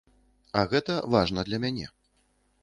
А гэта важна для мяне.